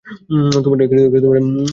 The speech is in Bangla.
তোমার প্রিয় সংলাপ।